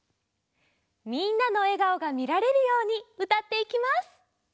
みんなのえがおがみられるようにうたっていきます。